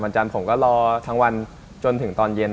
จันทร์ผมก็รอทั้งวันจนถึงตอนเย็น